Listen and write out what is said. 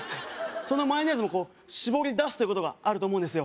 そのマヨネーズもこうしぼり出すということがあると思うんですよ